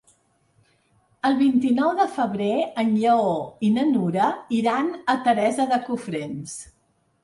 El vint-i-nou de febrer en Lleó i na Nura iran a Teresa de Cofrents.